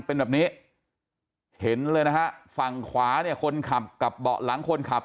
เป็นแบบนี้เห็นเลยนะฮะฝั่งขวาเนี่ยคนขับกับเบาะหลังคนขับ